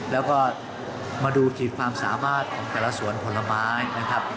แล้วก็มาดูขีดความสามารถของแต่ละสวนผลไม้นะครับ